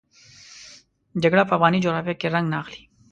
جګړه په افغاني جغرافیه کې رنګ نه اخلي.